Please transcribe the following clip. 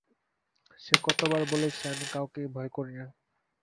সে কত বার বলেছে, আমি কাউকেই ভয় করি না।